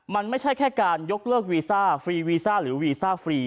มันไม่ใช่แค่การยกเลิกวีซ่าฟรีวีซ่าหรือวีซ่าฟรี